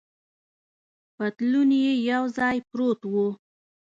پتلون یې یو ځای پروت و.